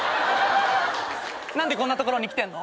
何でこんな所に来てんの？